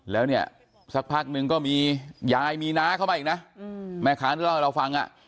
แล้วเนี่ยสักพักนึงก็มียายมีน้าเข้ามาอีกนะแม่ค้าที่เล่าให้เราฟังอ่ะ